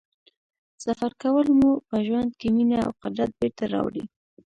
سفر کول مو په ژوند کې مینه او قدرت بېرته راوړي.